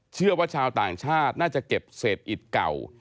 เชื่อว่าชาวต่างชาติน่าจะเก็บเศษอิดเก่า